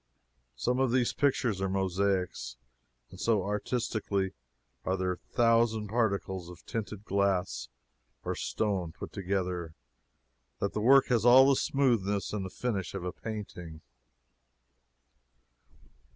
Some of these pictures are mosaics, and so artistically are their thousand particles of tinted glass or stone put together that the work has all the smoothness and finish of a painting.